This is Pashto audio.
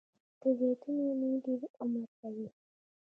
د زیتون ونې ډیر عمر کوي